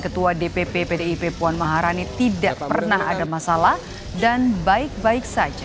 ketua dpp pdip puan maharani tidak pernah ada masalah dan baik baik saja